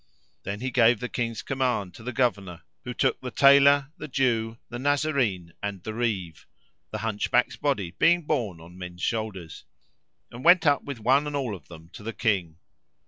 Then he gave the King's command to the Governor who took the Tailor, the Jew, the Nazarene and the Reeve (the Hunchback's body being borne on men's shoulders) and went up with one and all of them to the King.